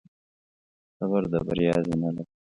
صبر د بریا زینه ده.